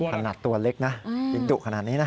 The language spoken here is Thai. ขนาดตัวเล็กนะยังดุขนาดนี้นะ